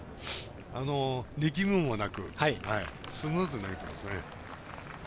力みもなくスムーズに投げていますね。